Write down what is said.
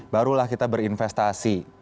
barulah kita berinvestasi